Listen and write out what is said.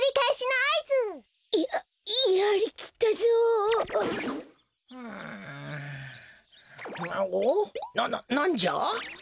ななんじゃ？